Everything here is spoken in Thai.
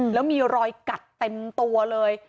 แล้วมีรอยกัดเต็มตัวเลย